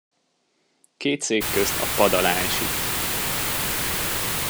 Két szék közt a pad alá esik.